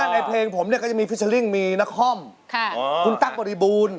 ในเพลงผมเนี่ยก็จะมีฟิชาลิ่งมีนาคอมคุณตั๊กบริบูรณ์